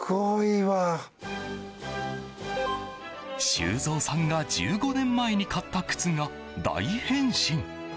修造さんが１５年前に買った靴が大変身！